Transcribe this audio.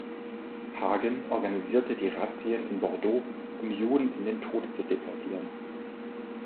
Hagen organisierte die Razzien in Bordeaux, um Juden in den Tod zu deportieren.